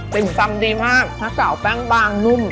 ติ่มซำดีมากฮะเกาแป้งบางนุ่ม